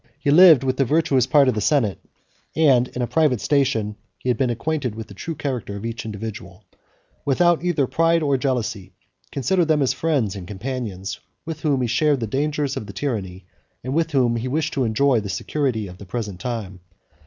He lived with the virtuous part of the senate, (and, in a private station, he had been acquainted with the true character of each individual,) without either pride or jealousy; considered them as friends and companions, with whom he had shared the danger of the tyranny, and with whom he wished to enjoy the security of the present time.